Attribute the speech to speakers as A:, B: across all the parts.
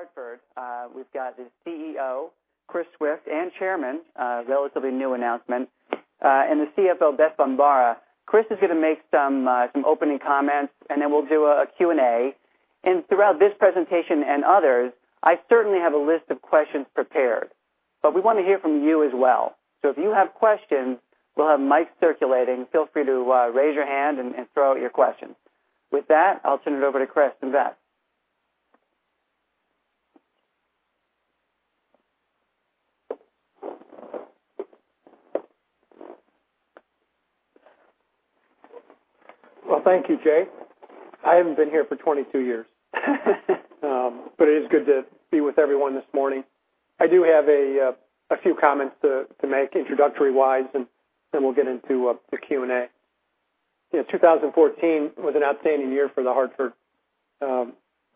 A: The Hartford. We've got the CEO, Chris Swift, and Chairman, a relatively new announcement, and the CFO, Beth Bombara. Chris is going to make some opening comments. Then we'll do a Q&A. Throughout this presentation and others, I certainly have a list of questions prepared, but we want to hear from you as well. If you have questions, we'll have mics circulating. Feel free to raise your hand and throw out your question. With that, I'll turn it over to Chris and Beth.
B: Well, thank you, Jay. I haven't been here for 22 years, but it is good to be with everyone this morning. I do have a few comments to make introductory-wise. Then we'll get into the Q&A. 2014 was an outstanding year for The Hartford.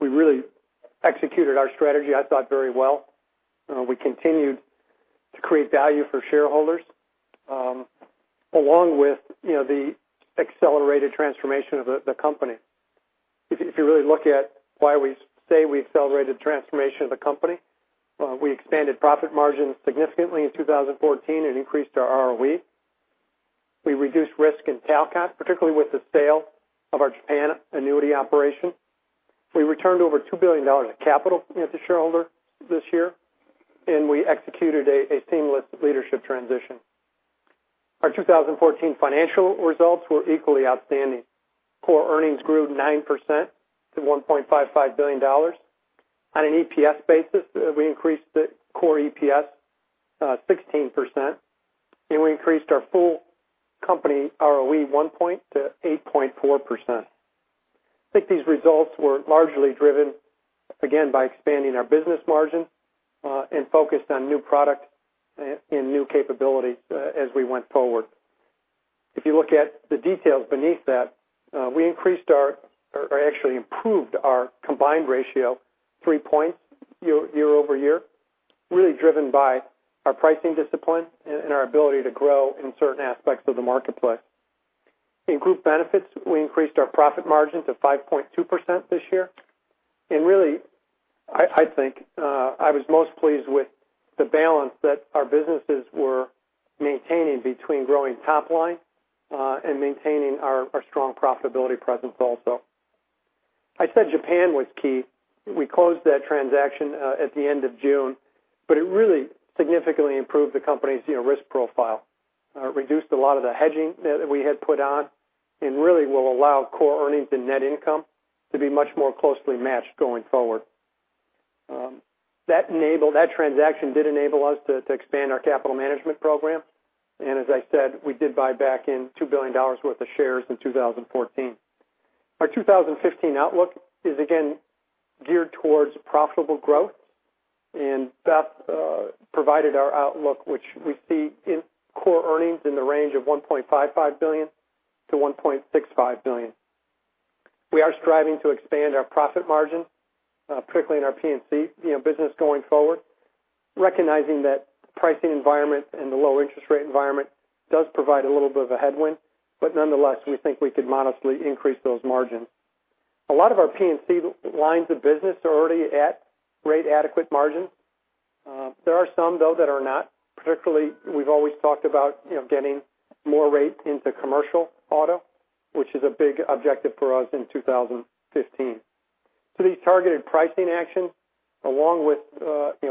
B: We really executed our strategy, I thought, very well. We continued to create value for shareholders, along with the accelerated transformation of the company. If you really look at why we say we accelerated the transformation of the company, we expanded profit margins significantly in 2014 and increased our ROE. We reduced risk in Talcott, particularly with the sale of our Japan annuity operation. We returned over $2 billion in capital to shareholders this year. We executed a seamless leadership transition. Our 2014 financial results were equally outstanding. Core earnings grew 9% to $1.55 billion. On an EPS basis, we increased the core EPS 16%. We increased our full company ROE one point to 8.4%. I think these results were largely driven, again, by expanding our business margin and focused on new product and new capability as we went forward. If you look at the details beneath that, we increased our, or actually improved our combined ratio three points year-over-year, really driven by our pricing discipline and our ability to grow in certain aspects of the marketplace. In Group Benefits, we increased our profit margins of 5.2% this year. Really, I think I was most pleased with the balance that our businesses were maintaining between growing top-line and maintaining our strong profitability presence also. I said Japan was key. We closed that transaction at the end of June, but it really significantly improved the company's risk profile, reduced a lot of the hedging that we had put on, and really will allow core earnings and net income to be much more closely matched going forward. That transaction did enable us to expand our capital management program. As I said, we did buy back in $2 billion worth of shares in 2014. Our 2015 outlook is again geared towards profitable growth. Beth provided our outlook, which we see in core earnings in the range of $1.55 billion-$1.65 billion. We are striving to expand our profit margin, particularly in our P&C business going forward, recognizing that pricing environment and the low interest rate environment does provide a little bit of a headwind, but nonetheless, we think we could modestly increase those margins. A lot of our P&C lines of business are already at great adequate margins. There are some, though, that are not. Particularly, we've always talked about getting more rate into commercial auto, which is a big objective for us in 2015. These targeted pricing actions, along with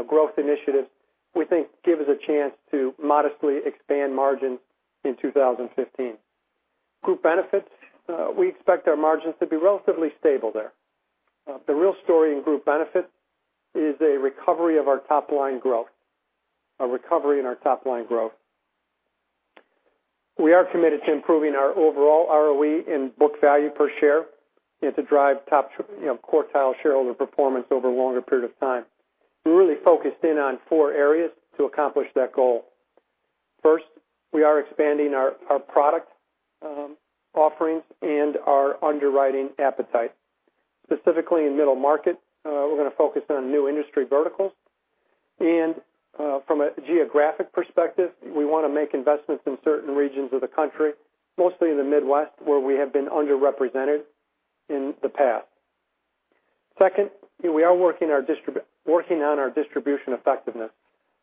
B: growth initiatives, we think give us a chance to modestly expand margins in 2015. Group Benefits, we expect our margins to be relatively stable there. The real story in Group Benefits is a recovery of our top-line growth, a recovery in our top-line growth. We are committed to improving our overall ROE and book value per share and to drive top quartile shareholder performance over a longer period of time. We really focused in on four areas to accomplish that goal. First, we are expanding our product offerings and our underwriting appetite. Specifically in middle market, we're going to focus on new industry verticals. From a geographic perspective, we want to make investments in certain regions of the country, mostly in the Midwest, where we have been underrepresented in the past. Second, we are working on our distribution effectiveness.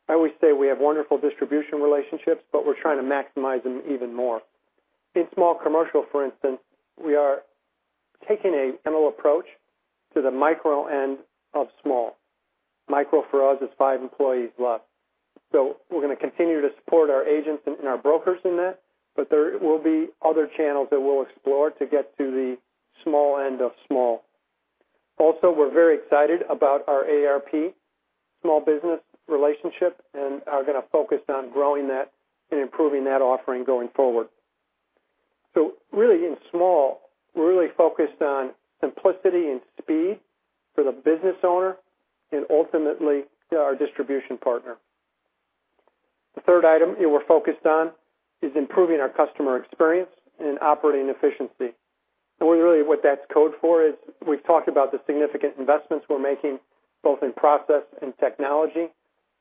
B: I always say we have wonderful distribution relationships, but we're trying to maximize them even more. In small commercial, for instance, we are taking an omnichannel approach to the micro end of small. Micro for us is five employees left. We're going to continue to support our agents and our brokers in that, but there will be other channels that we'll explore to get to the small end of small. Also, we're very excited about our AARP small business relationship and are going to focus on growing that and improving that offering going forward. Really in small, we're really focused on simplicity and speed for the business owner and ultimately our distribution partner. The third item we're focused on is improving our customer experience and operating efficiency. Really, what that's code for is we've talked about the significant investments we're making both in process and technology,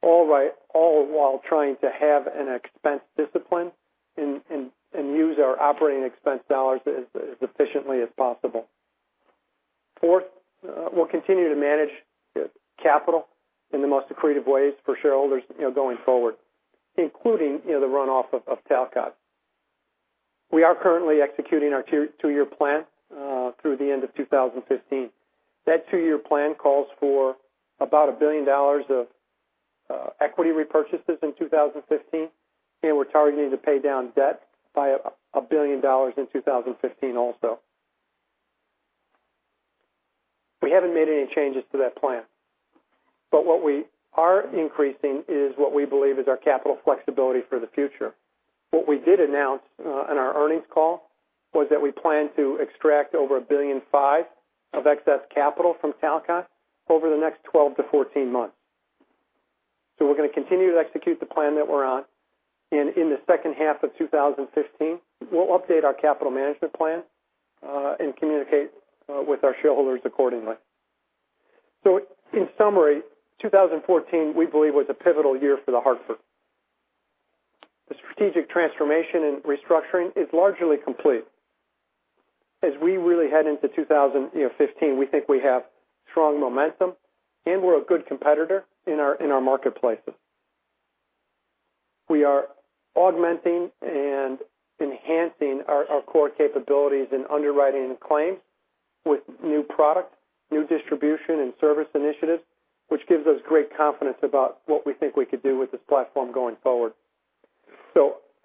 B: all while trying to have an expense discipline and use our operating expense dollars as efficiently as possible. Fourth, we'll continue to manage capital in the most accretive ways for shareholders going forward, including the runoff of Talcott. We are currently executing our two-year plan through the end of 2015. That two-year plan calls for about $1 billion of equity repurchases in 2015, and we're targeting to pay down debt by $1 billion in 2015 also. We haven't made any changes to that plan, but what we are increasing is what we believe is our capital flexibility for the future. What we did announce on our earnings call was that we plan to extract over $1.5 billion of excess capital from Talcott over the next 12-14 months. We're going to continue to execute the plan that we're on, and in the second half of 2015, we'll update our capital management plan and communicate with our shareholders accordingly. In summary, 2014, we believe, was a pivotal year for The Hartford. The strategic transformation and restructuring is largely complete. As we really head into 2015, we think we have strong momentum, and we're a good competitor in our marketplaces. We are augmenting and enhancing our core capabilities in underwriting claims with new product, new distribution, and service initiatives, which gives us great confidence about what we think we could do with this platform going forward.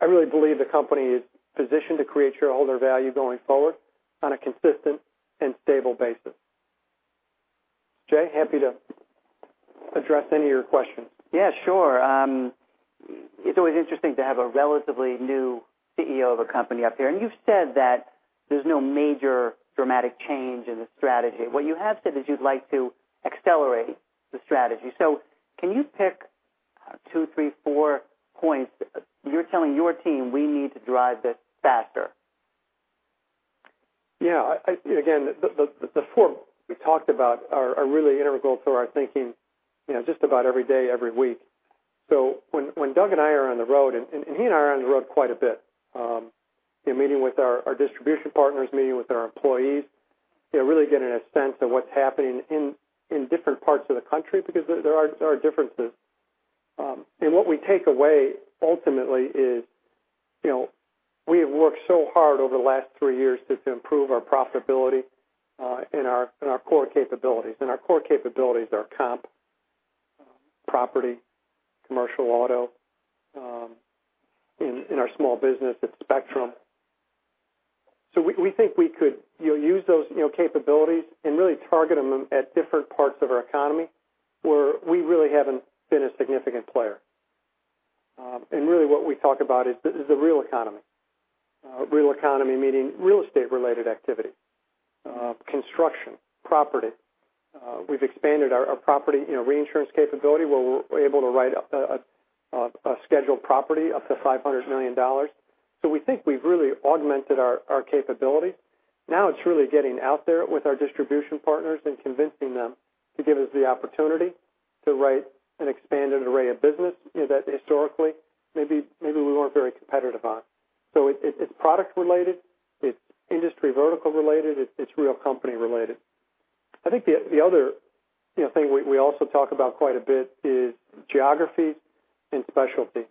B: I really believe the company is positioned to create shareholder value going forward on a consistent and stable basis. Jay, happy to address any of your questions.
A: Yeah, sure. It's always interesting to have a relatively new CEO of a company up here, you've said that there's no major dramatic change in the strategy. What you have said is you'd like to accelerate the strategy. Can you pick two, three, four points you're telling your team we need to drive this faster?
B: Yeah. Again, the four we talked about are really integral to our thinking just about every day, every week. When Doug and I are on the road, he and I are on the road quite a bit, meeting with our distribution partners, meeting with our employees, really getting a sense of what's happening in different parts of the country because there are differences. What we take away ultimately is we have worked so hard over the last three years just to improve our profitability and our core capabilities. Our core capabilities are comp, property, commercial auto in our small business at Spectrum. We think we could use those capabilities and really target them at different parts of our economy where we really haven't been a significant player. Really what we talk about is the real economy. Real economy meaning real estate-related activity, construction, property. We've expanded our property reinsurance capability, where we're able to write a scheduled property up to $500 million. We think we've really augmented our capability. Now it's really getting out there with our distribution partners and convincing them to give us the opportunity to write an expanded array of business that historically maybe we weren't very competitive on. It's product related, it's industry vertical related, it's real company related. I think the other thing we also talk about quite a bit is geography and specialty.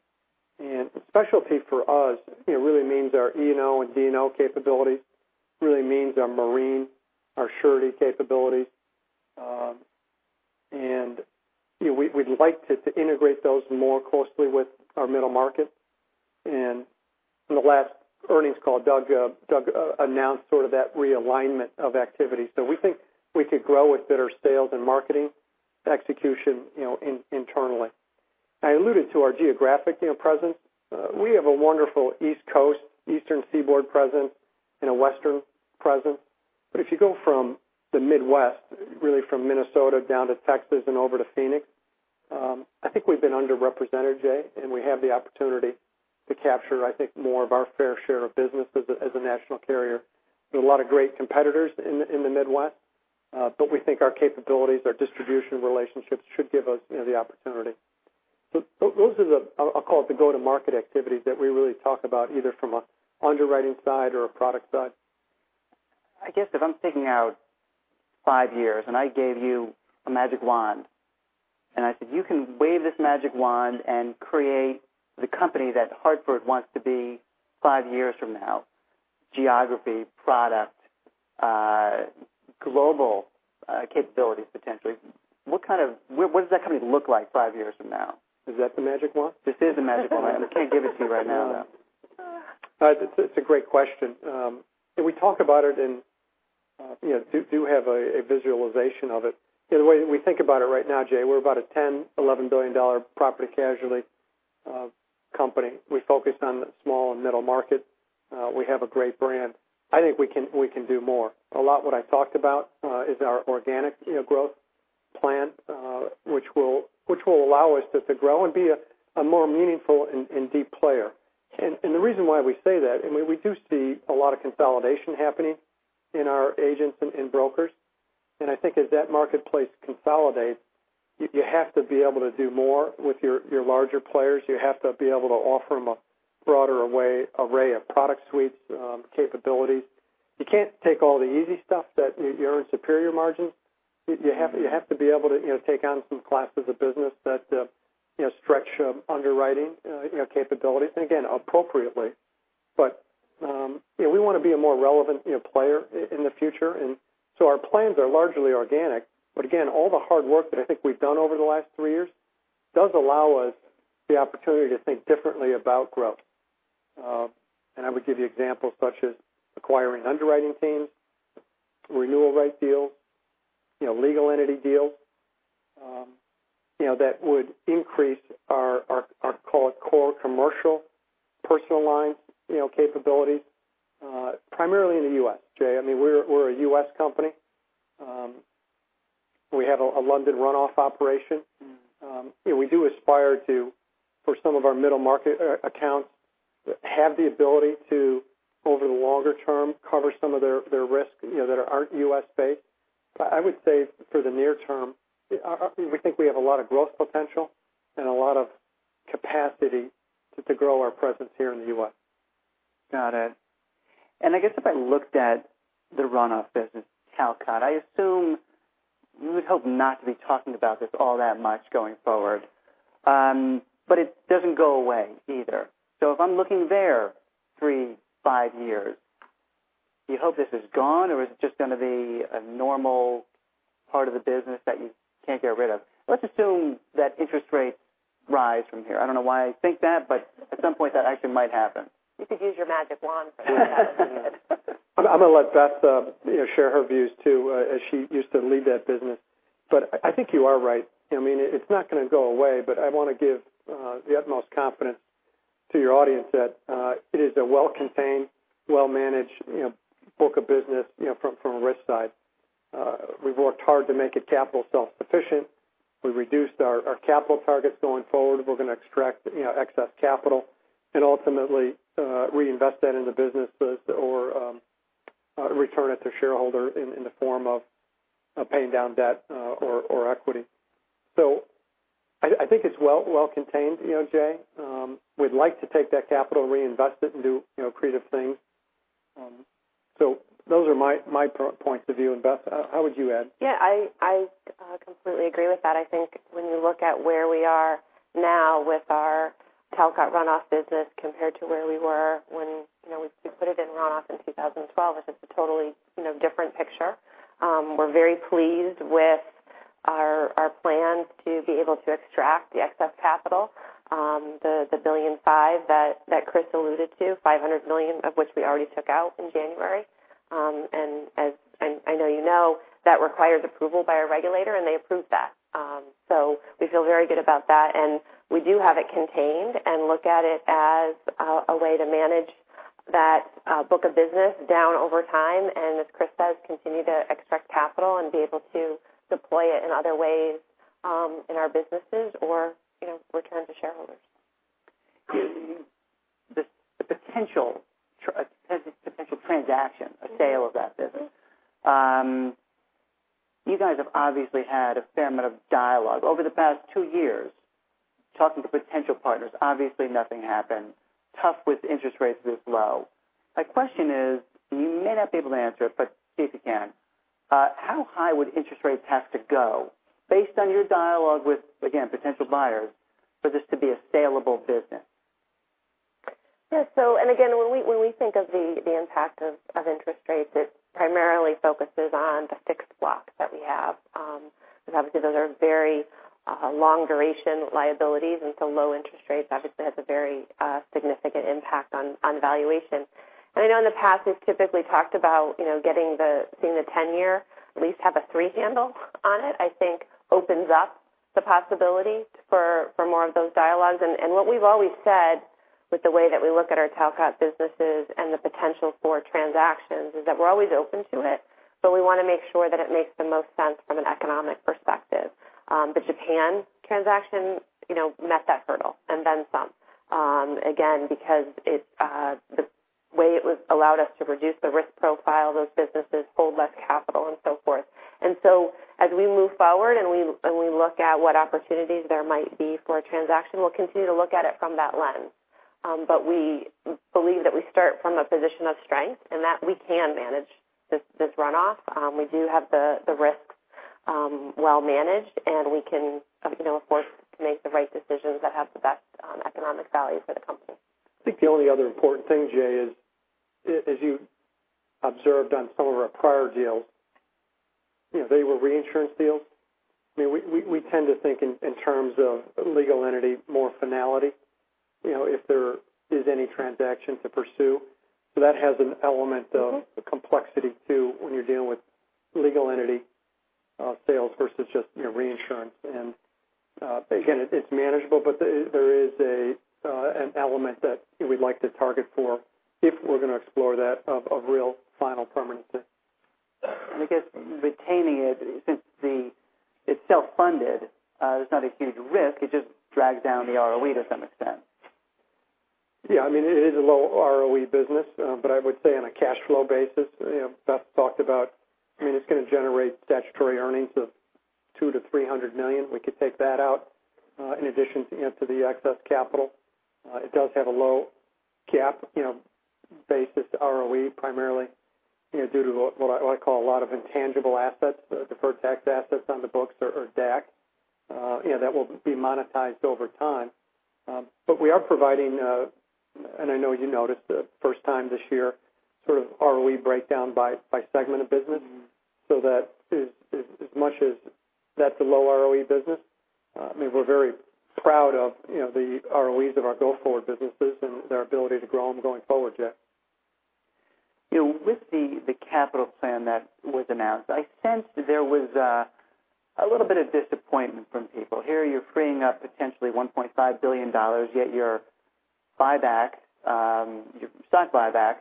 B: Specialty for us really means our E&O and D&O capability, really means our marine, our surety capability. We'd like to integrate those more closely with our middle market. In the last earnings call, Doug announced sort of that realignment of activity. We think we could grow with better sales and marketing execution internally. I alluded to our geographic presence. We have a wonderful East Coast, Eastern Seaboard presence and a Western presence. If you go from the Midwest, really from Minnesota down to Texas and over to Phoenix, I think we've been underrepresented, Jay, and we have the opportunity to capture, I think, more of our fair share of business as a national carrier. There's a lot of great competitors in the Midwest, but we think our capabilities, our distribution relationships should give us the opportunity. Those are the, I'll call it the go-to-market activities that we really talk about, either from an underwriting side or a product side.
A: I guess if I'm thinking out five years and I gave you a magic wand, and I said, "You can wave this magic wand and create the company that The Hartford wants to be five years from now, geography, product, global capabilities, potentially." What does that company look like five years from now?
B: Is that the magic wand?
A: This is a magic wand. I can't give it to you right now, though.
B: It's a great question. We talk about it and do have a visualization of it. The way we think about it right now, Jay, we're about a $10 billion, $11 billion property casualty company. We focus on the small and middle market. We have a great brand. I think we can do more. A lot what I talked about is our organic growth plan which will allow us just to grow and be a more meaningful and deep player. The reason why we say that, we do see a lot of consolidation happening in our agents and brokers. I think as that marketplace consolidates, you have to be able to do more with your larger players. You have to be able to offer them a broader array of product suites, capabilities. You can't take all the easy stuff that you earn superior margins. You have to be able to take on some classes of business that stretch underwriting capabilities, and again, appropriately. We want to be a more relevant player in the future. Our plans are largely organic, but again, all the hard work that I think we've done over the last three years does allow us the opportunity to think differently about growth. I would give you examples such as acquiring underwriting teams, renewal rate deals, legal entity deals that would increase our core commercial personal lines capabilities, primarily in the U.S., Jay. We're a U.S. company. We have a London runoff operation. We do aspire to, for some of our middle market accounts, have the ability to, over the longer term, cover some of their risk that aren't U.S.-based. I would say for the near term, we think we have a lot of growth potential and a lot of capacity to grow our presence here in the U.S.
A: Got it. I guess if I looked at the runoff business, Talcott, I assume you would hope not to be talking about this all that much going forward. It doesn't go away either. If I'm looking there three, five years, do you hope this is gone or is it just going to be a normal part of the business that you can't get rid of? Let's assume that interest rates rise from here. I don't know why I think that, at some point that actually might happen.
C: You could use your magic wand for that.
B: I'm going to let Beth share her views, too, as she used to lead that business. I think you are right. It's not going to go away, I want to give the utmost confidence to your audience that it is a well-contained, well-managed book of business from a risk side. We've worked hard to make it capital self-sufficient. We've reduced our capital targets going forward. We're going to extract excess capital and ultimately reinvest that in the businesses or return it to shareholder in the form of paying down debt or equity. I think it's well contained, Jay. We'd like to take that capital, reinvest it, and do creative things. Those are my points of view. Beth, how would you add?
C: Yeah, I completely agree with that. I think when you look at where we are now with our Talcott runoff business compared to where we were when we put it in runoff in 2012, it's just a totally different picture. We're very pleased with our plan to be able to extract the excess capital, the $1.5 billion that Chris alluded to, $500 million of which we already took out in January. As I know you know, that requires approval by a regulator, and they approved that. We feel very good about that, and we do have it contained and look at it as a way to manage that book of business down over time and, as Chris says, continue to extract capital and be able to deploy it in other ways in our businesses or return to shareholders.
A: The potential transaction, a sale of that business. You guys have obviously had a fair amount of dialogue over the past two years talking to potential partners. Obviously, nothing happened. Tough with interest rates this low. My question is, you may not be able to answer it, but see if you can. How high would interest rates have to go based on your dialogue with, again, potential buyers for this to be a saleable business?
C: Yeah. Again, when we think of the impact of interest rates, it primarily focuses on the fixed blocks that we have. Because obviously, those are very long-duration liabilities, low interest rates obviously has a very significant impact on valuation. I know in the past, we've typically talked about seeing the 10-year at least have a three handle on it, I think opens up the possibility for more of those dialogues. What we've always said with the way that we look at our Talcott businesses and the potential for transactions is that we're always open to it, but we want to make sure that it makes the most sense from an economic perspective. The Japan transaction met that hurdle and then some, again, because the way it allowed us to reduce the risk profile of those businesses, hold less capital, and so forth. As we move forward and we look at what opportunities there might be for a transaction, we'll continue to look at it from that lens. We believe that we start from a position of strength and that we can manage this runoff. We do have the risks well managed, and we can afford to make the right decisions that have the best economic value for the company.
B: I think the only other important thing, Jay, is as you observed on some of our prior deals, they were reinsurance deals. We tend to think in terms of legal entity more finality if there is any transaction to pursue. That has an element of complexity, too, when you're dealing with legal entity sales versus just reinsurance. Again, it's manageable, but there is an element that we'd like to target for if we're going to explore that of real final permanency.
A: I guess retaining it since it's self-funded, there's not a huge risk. It just drags down the ROE to some extent.
B: Yeah. It is a low ROE business. I would say on a cash flow basis, Beth talked about, it's going to generate statutory earnings of $200 million-$300 million. We could take that out in addition to the excess capital. It does have a low GAAP basis ROE primarily due to what I call a lot of intangible assets, deferred tax assets on the books or DAC, that will be monetized over time. We are providing, and I know you noticed the first time this year, sort of ROE breakdown by segment of business. That as much as that's a low ROE business, we're very proud of the ROEs of our go-forward businesses and their ability to grow them going forward, Jay.
A: With the capital plan that was announced, I sensed there was a little bit of disappointment from people. Here you're freeing up potentially $1.5 billion, yet your stock buyback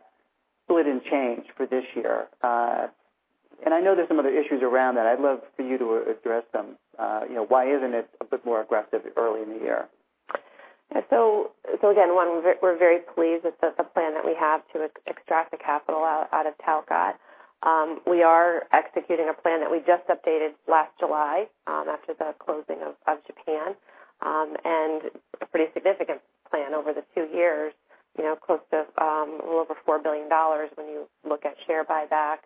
A: split in change for this year. I know there's some other issues around that. I'd love for you to address them. Why isn't it a bit more aggressive early in the year?
C: Again, one, we're very pleased with the plan that we have to extract the capital out of Talcott. We are executing a plan that we just updated last July, after the closing of Japan, a pretty significant plan over the two years, close to a little over $4 billion when you look at share buyback,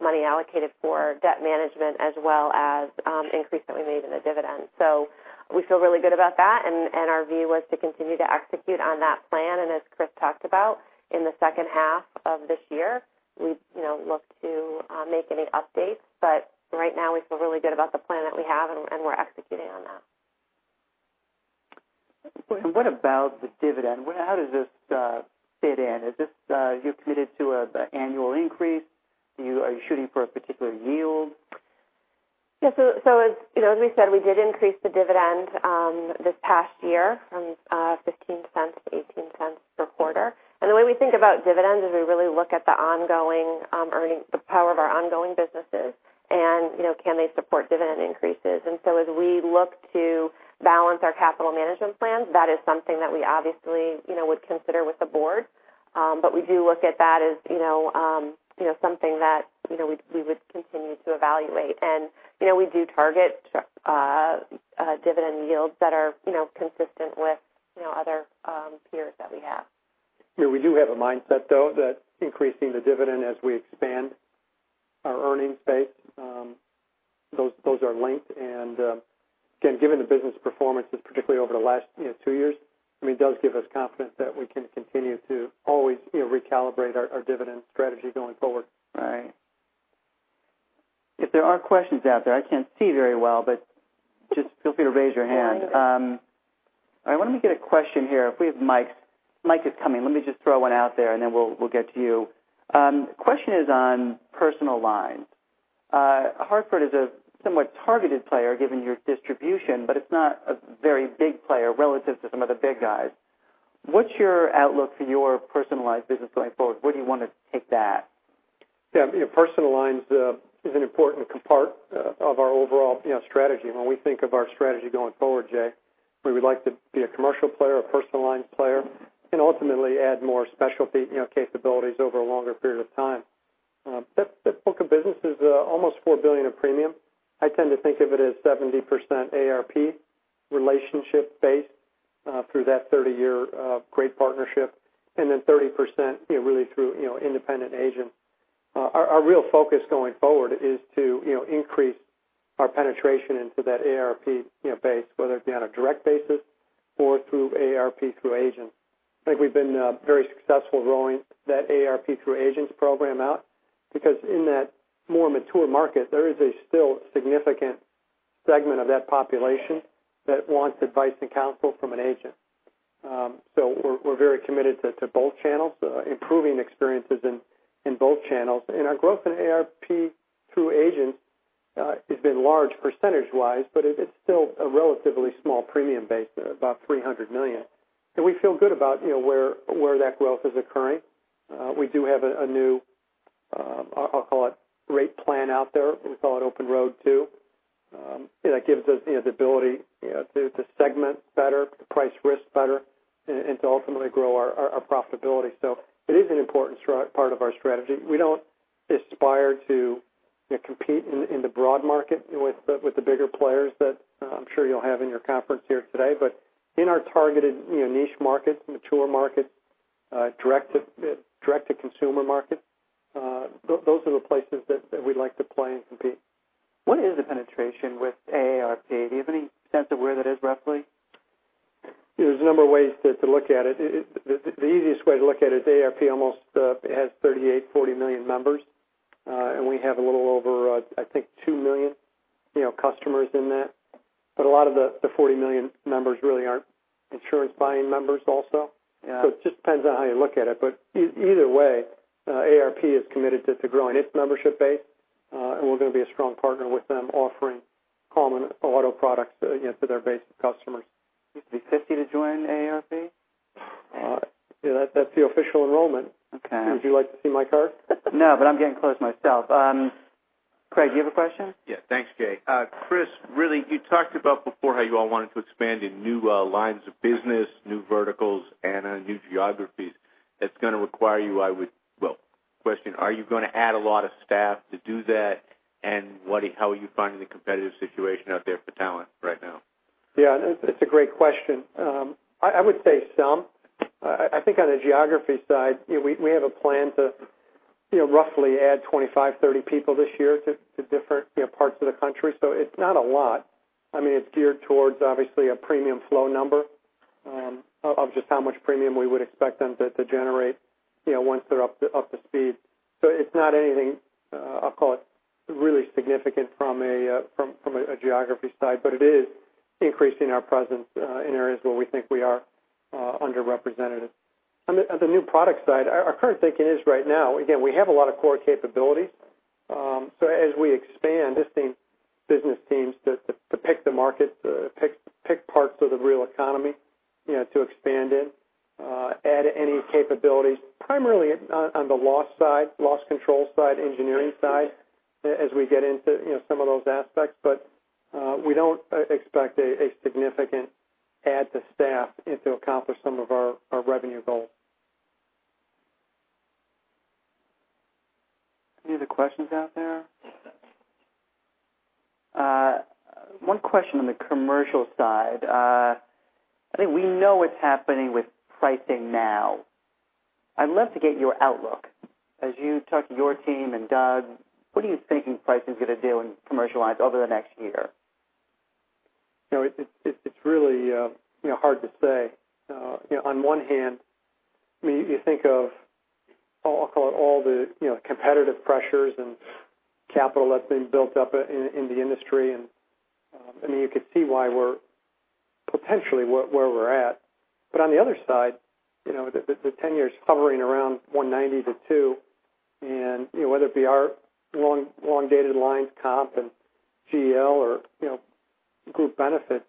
C: money allocated for debt management, as well as increase that we made in the dividend. We feel really good about that, our view was to continue to execute on that plan. As Chris talked about, in the second half of this year, we'd look to make any updates. Right now, we feel really good about the plan that we have, and we're executing on that.
A: What about the dividend? How does this fit in? You're committed to the annual increase. Are you shooting for a particular yield?
C: Yeah. As we said, we did increase the dividend this past year from $0.15-$0.18 per quarter. The way we think about dividends is we really look at the power of our ongoing businesses and can they support dividend increases. As we look to balance our capital management plans, that is something that we obviously would consider with the board. We do look at that as something that we would continue to evaluate. We do target dividend yields that are consistent with other peers that we have.
B: Yeah, we do have a mindset, though, that increasing the dividend as we expand our earnings base, those are linked. Again, given the business performances, particularly over the last two years, it does give us confidence that we can continue to always recalibrate our dividend strategy going forward.
A: Right. If there are questions out there, I can't see very well, but just feel free to raise your hand. Let me get a question here. If we have mics. Mic is coming. Let me just throw one out there, and then we'll get to you. Question is on Personal Lines. Hartford is a somewhat targeted player given your distribution, but it's not a very big player relative to some of the big guys. What's your outlook for your Personal Lines business going forward? Where do you want to take that?
B: Personal Lines is an important part of our overall strategy. When we think of our strategy going forward, Jay, we would like to be a commercial player, a Personal Lines player, and ultimately add more specialty capabilities over a longer period of time. That book of business is almost $4 billion of premium. I tend to think of it as 70% AARP relationship base through that 30-year great partnership, and then 30% really through independent agents. Our real focus going forward is to increase our penetration into that AARP base, whether it be on a direct basis or through AARP through agents. I think we've been very successful growing that AARP through agents program out because in that more mature market, there is a still significant segment of that population that wants advice and counsel from an agent. We're very committed to both channels, improving experiences in both channels. Our growth in AARP through agents has been large percentage-wise, but it's still a relatively small premium base, about $300 million. We feel good about where that growth is occurring. We do have a new, I'll call it rate plan out there. We call it Open Road 2. That gives us the ability to segment better, to price risk better, and to ultimately grow our profitability. It is an important part of our strategy. We don't aspire to compete in the broad market with the bigger players that I'm sure you'll have in your conference here today. But in our targeted niche markets, mature markets, direct-to-consumer markets, those are the places that we'd like to play and compete.
A: What is the penetration with AARP? Do you have any sense of where that is roughly?
B: There's a number of ways to look at it. The easiest way to look at it is AARP almost has 38 million-40 million members. And we have a little over I think 2 million customers in that. But a lot of the 40 million members really aren't insurance-buying members also.
A: Yeah.
B: It just depends on how you look at it. Either way, AARP is committed to growing its membership base. We're going to be a strong partner with them offering home and auto products to their base of customers.
A: You have to be 50 to join AARP?
B: That's the official enrollment.
A: Okay.
B: Would you like to see my card?
A: No, but I'm getting close myself. Craig, do you have a question?
D: Yeah. Thanks, Jay. Chris, really, you talked about before how you all wanted to expand in new lines of business, new verticals, and on new geographies. That's going to require you. Well, question, are you going to add a lot of staff to do that? How are you finding the competitive situation out there for talent right now?
B: Yeah, that's a great question. I would say some. I think on the geography side, we have a plan to roughly add 25, 30 people this year to different parts of the country. It's not a lot. It's geared towards, obviously, a premium flow number of just how much premium we would expect them to generate once they're up to speed. It's not anything, I'll call it, really significant from a geography side. It is increasing our presence in areas where we think we are underrepresented. On the new product side, our current thinking is right now, again, we have a lot of core capabilities. As we expand, this business seems to pick the market, pick parts of the real economy to expand in, add any capabilities, primarily on the loss side, loss control side, engineering side, as we get into some of those aspects. We don't expect a significant add to staff to accomplish some of our revenue goals.
A: Any other questions out there? One question on the commercial side. I think we know what's happening with pricing now. I'd love to get your outlook. As you talk to your team and Doug, what are you thinking pricing's going to do in Commercial Lines over the next year?
B: It's really hard to say. On one hand, you think of, I'll call it, all the competitive pressures and capital that's been built up in the industry, and you could see why we're potentially where we're at. On the other side, the 10-year's hovering around 190 to 2. Whether it be our long-dated lines comp and GL or Group Benefits,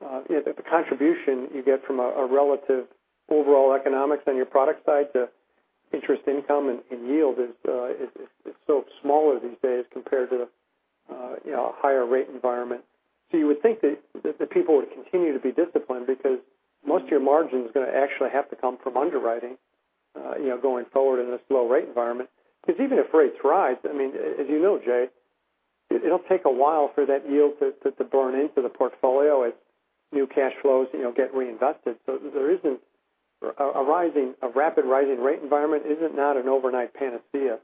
B: the contribution you get from a relative overall economics on your product side to interest income and yield is so smaller these days compared to a higher rate environment. You would think that the people would continue to be disciplined because most of your margin is going to actually have to come from underwriting going forward in this low rate environment. Even if rates rise, as you know, Jay, it'll take a while for that yield to burn into the portfolio as new cash flows get reinvested. A rapid rising rate environment is not an overnight panacea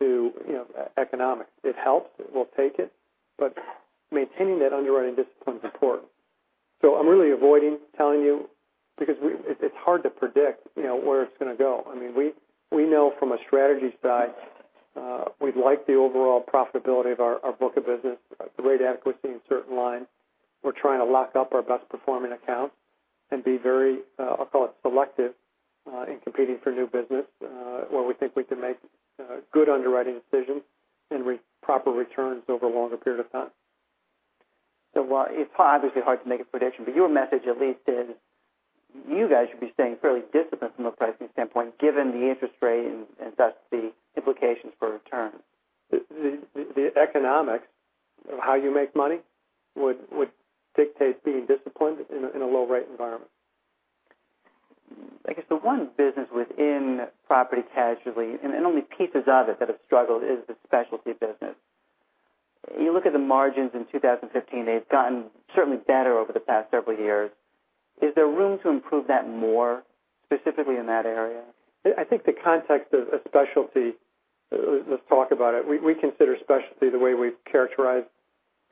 B: to economics. It helps. We'll take it. Maintaining that underwriting discipline is important. I'm really avoiding telling you because it's hard to predict where it's going to go. We know from a strategy side, we like the overall profitability of our book of business, the rate adequacy in certain lines. We're trying to lock up our best-performing accounts and be very, I'll call it, selective in competing for new business where we think we can make good underwriting decisions and proper returns over a longer period of time.
A: While it's obviously hard to make a prediction, your message at least is you guys should be staying fairly disciplined from a pricing standpoint, given the interest rate and thus the implications for return.
B: The economics of how you make money would dictate being disciplined in a low rate environment.
A: I guess the one business within property casualty, and only pieces of it that have struggled, is the specialty business. You look at the margins in 2015, they've gotten certainly better over the past several years. Is there room to improve that more specifically in that area?
B: I think the context of a specialty, let's talk about it. We consider specialty the way we characterize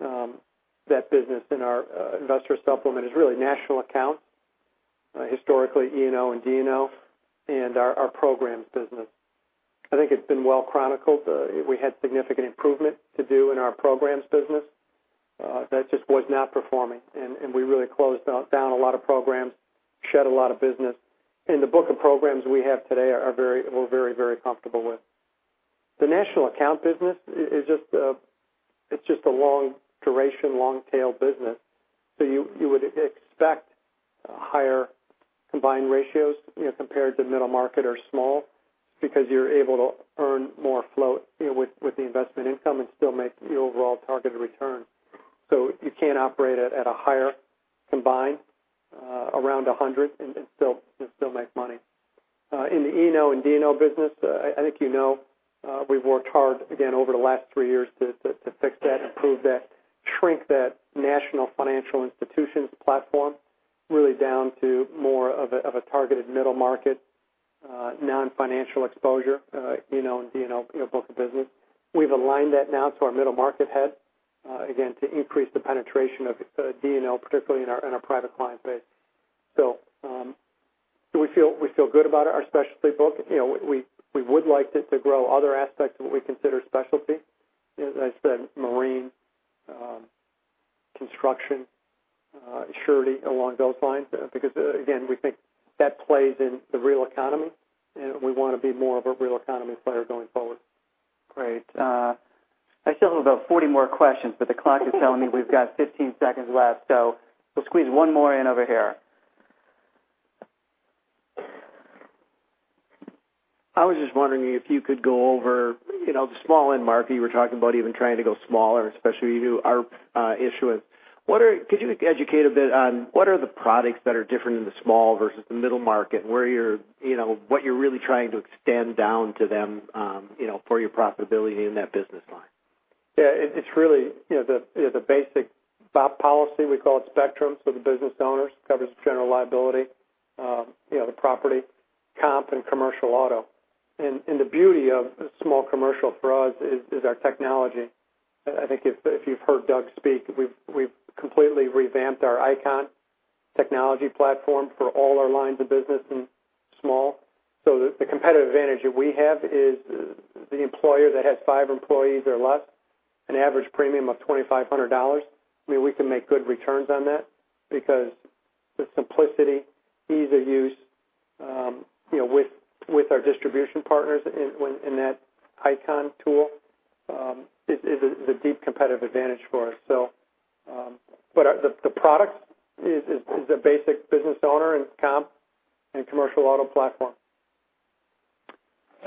B: that business in our investor supplement is really national accounts, historically E&O and D&O, and our programs business. I think it's been well chronicled. We had significant improvement to do in our programs business that just was not performing, and we really closed down a lot of programs, shed a lot of business. The book of programs we have today we're very, very comfortable with. The national account business is just a long-duration, long-tail business. You would expect higher combined ratios compared to middle market or small because you're able to earn more float with the investment income and still make the overall targeted return. You can operate it at a higher combined, around 100, and still make money. In the E&O and D&O business, I think you know we've worked hard, again, over the last three years to fix that, improve that, shrink that national financial institutions platform really down to more of a targeted middle market, non-financial exposure E&O and D&O book of business. We've aligned that now to our middle market head, again, to increase the penetration of D&O, particularly in our private client base. We feel good about our specialty book. We would like to grow other aspects of what we consider specialty. As I said, marine, construction, surety, along those lines. We think that plays in the real economy, and we want to be more of a real economy player going forward.
A: Great. I still have about 40 more questions, the clock is telling me we've got 15 seconds left, we'll squeeze one more in over here.
D: I was just wondering if you could go over the small-end market. You were talking about even trying to go smaller, especially to our issuance. Could you educate a bit on what are the products that are different in the small versus the middle market, what you're really trying to extend down to them for your profitability in that business line?
B: Yeah. It's really the basic BOP policy. We call it Spectrum. The business owners covers general liability, the property, comp, and commercial auto. The beauty of small commercial for us is our technology. I think if you've heard Doug speak, we've completely revamped our ICON technology platform for all our lines of business in small. The competitive advantage that we have is the employer that has five employees or less, an average premium of $2,500. We can make good returns on that because the simplicity, ease of use with our distribution partners in that ICON tool is a deep competitive advantage for us. The product is a basic business owner and comp and commercial auto platform.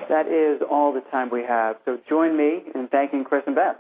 A: That is all the time we have. Join me in thanking Chris and Beth